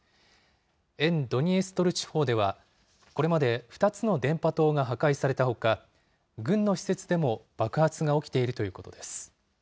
沿ドニエストル地方では、これまで２つの電波塔が破壊されたほか、軍の施設でも爆発が起きているということです。